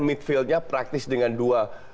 midfieldnya praktis dengan dua